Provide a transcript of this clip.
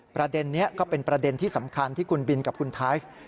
ประเด็นนี้ก็เป็นประเด็นที่สำคัญที่คุณบินกับคุณไทย